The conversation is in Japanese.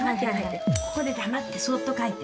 ここで黙ってそっと描いて。